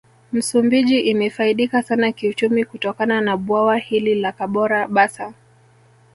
Msumbiji imefaidika sana kiuchumi kutokana na Bwawa hili la Kabora basa